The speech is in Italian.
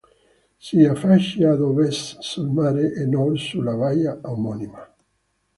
Si affaccia ad ovest sul mare e a nord sulla baia omonima.